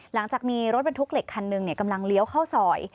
หลังจากมีรถบรรทุกเหล็กคันหนึ่งกำลังเลี้ยวเข้าซอย